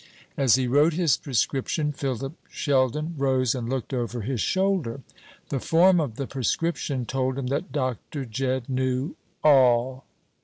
As he wrote his prescription Philip Sheldon rose and looked over his shoulder. The form of the prescription told him that Dr. Jedd knew all!